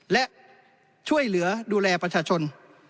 และช่วยเหลือดูแลประชาชน